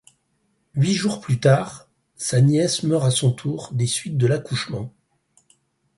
Huit jours plus tard, sa nièce meurt à son tour des suites de l'accouchement.